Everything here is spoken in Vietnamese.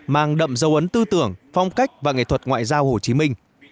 mang đậm dấu ấn tư tưởng phong cách và nghệ thuật ngoại giao hồ chí minh